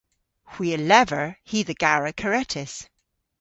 Hwi a lever hi dhe gara karettys.